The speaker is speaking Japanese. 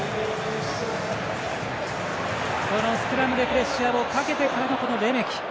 このスクラムでプレッシャーをかけてからのレメキ。